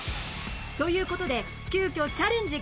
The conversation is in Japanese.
という事で急きょチャレンジ継続